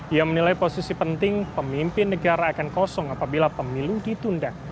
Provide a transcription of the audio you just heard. ia menilai posisi penting pemimpin negara akan kosong apabila pemilu ditunda